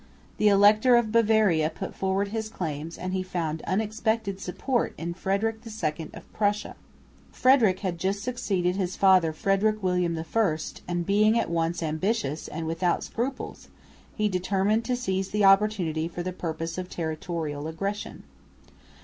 The Elector of Bavaria put forward his claims and he found unexpected support in Frederick II of Prussia. Frederick had just succeeded his father Frederick William I, and being at once ambitious and without scruples he determined to seize the opportunity for the purpose of territorial aggression.